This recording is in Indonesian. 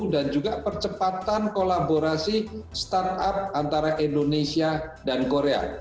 dan juga percepatan kolaborasi startup antara indonesia dan korea